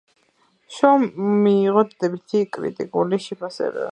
შოუმ მიიღო დადებითი კრიტიკული შეფასება.